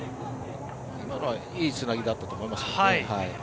今のはいいつなぎだったと思います。